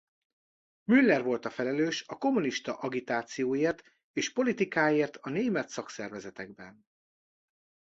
Müller volt felelős a kommunista agitációért és politikáért a német szakszervezetekben.